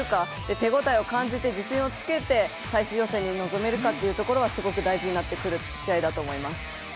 手応えを感じて、自信をつけて、最終予選に臨めるかというところはすごく大事になってくる試合だと思います。